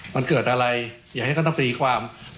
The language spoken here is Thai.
มันเกิดอะไรอย่าให้เขาต้องตีความ